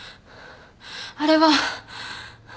あれは。